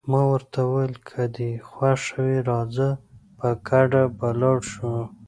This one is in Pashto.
ما ورته وویل: که دې خوښه وي راځه، په ګډه به ولاړ شو.